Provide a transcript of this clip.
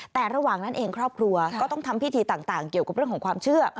แต่ระหว่างนั้นเองครอบครัวก็ต้องทำพิธีต่างเกี่ยวกับเรื่องของความเชื่อ